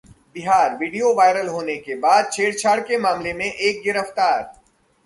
बिहारः video viral होने के बाद छेड़छाड़ के मामले में एक गिरफ्तार